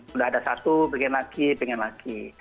sudah ada satu pengen lagi pengen lagi